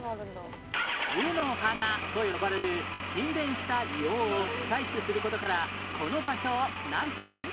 湯の花と呼ばれる沈殿した硫黄を採取する事からこの場所をなんという？